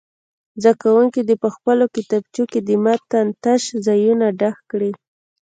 زده کوونکي دې په خپلو کتابچو کې د متن تش ځایونه ډک کړي.